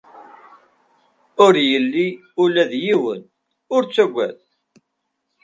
Ur yelli ula d yiwen, ur ttagad.